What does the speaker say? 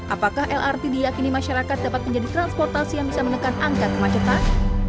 apakah lrt diyakini masyarakat dapat menjadi transportasi yang bisa menekan angka kemacetan